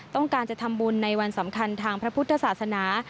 ต้องการจะทำบุญในวันสำคัญทางพระพุทธศาสนา